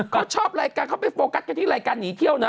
เขาชอบรายการเขาไปโฟกัสกันที่รายการหนีเที่ยวนะ